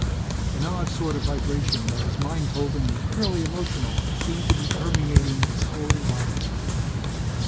An odd sort of vibration that his mind told him was purely emotional, seemed to be permeating his whole body.